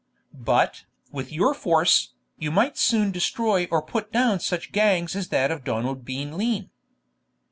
'But, with your force, you might soon destroy or put down such gangs as that of Donald Bean Lean.'